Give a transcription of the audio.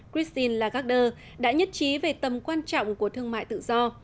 christine lagarder đã nhất trí về tầm quan trọng của thương mại tự do